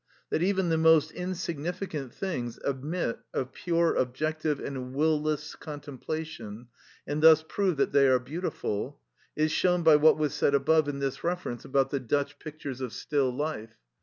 That even the most insignificant things admit of pure objective and will less contemplation, and thus prove that they are beautiful, is shown by what was said above in this reference about the Dutch pictures of still life (§ 38).